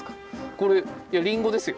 これいやリンゴですよ。